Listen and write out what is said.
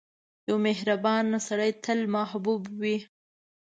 • یو مهربان سړی تل محبوب وي.